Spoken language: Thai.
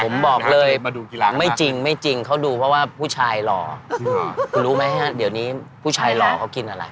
ผมบอกเลยไม่จริงไม่จริงเขาดูเพราะว่าผู้ชายหล่อคุณรู้ไหมฮะเดี๋ยวนี้ผู้ชายหล่อเขากินอะไร